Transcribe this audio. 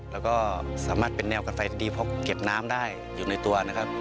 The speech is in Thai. แล้วก็สามารถเป็นแนวกันไฟดีเพราะเก็บน้ำได้อยู่ในตัวนะครับ